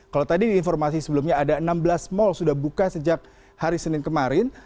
kalau tadi di informasi sebelumnya ada enam belas mal sudah buka sejak hari senin kemarin